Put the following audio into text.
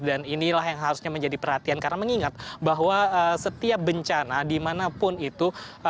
dan inilah yang harusnya menjadi perhatian karena mengingat bahwa setiap bencana dimanapun itu